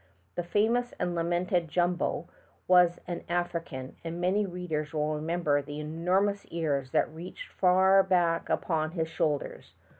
The famous and lamented Jumbo was an African, and many readers will remember the enormous ears that reached far I back upon his ^shoulders.